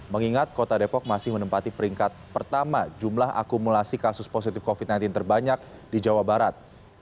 mengingat kota depok masih menempati peringkat pertama jumlah akumulasi kasus positif covid sembilan belas terbanyak di jawa barat